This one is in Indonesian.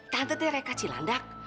tante tante rekacil landak